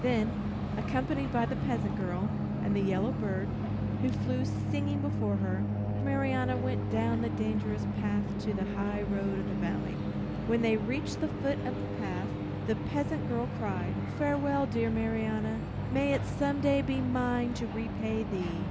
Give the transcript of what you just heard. Then, accompanied by the peasant girl and the yellow bird, who flew singing before her, Marianna went down the dangerous path to the high road in the valley. When they reached the foot of the path, the peasant girl cried: "Farewell, dear Marianna; may it some day be mine to repay thee!"